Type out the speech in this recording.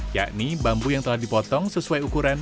yakni bambu yang telah dipotong sesuai ukuran